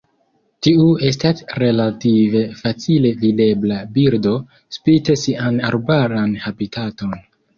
Tiu estas relative facile videbla birdo, spite sian arbaran habitaton.